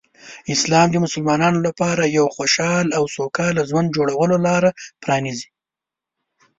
اسلام د مسلمانانو لپاره د یو خوشحال او سوکاله ژوند جوړولو لاره پرانیزي.